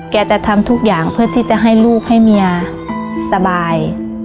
จะทำทุกอย่างเพื่อที่จะให้ลูกให้เมียสบาย